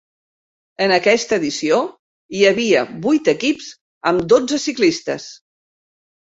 En aquesta edició hi havia vuit equips amb dotze ciclistes.